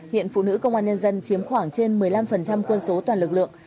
hiện phụ nữ công an nhân dân chiếm khoảng trên một mươi năm quân số toàn lực lượng